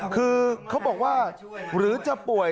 คือเขาบอกว่าหรือจะป่วย